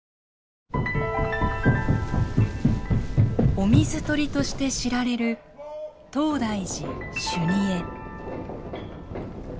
お水取りとして知られる東大寺修二会。